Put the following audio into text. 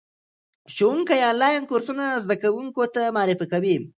ښوونکي آنلاین کورسونه زده کوونکو ته معرفي کوي.